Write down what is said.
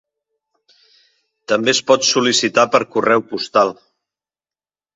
També es pot sol·licitar per correu postal.